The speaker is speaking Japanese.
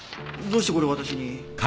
どうしてこれを私に？